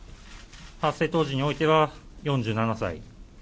発生当時においては４７歳。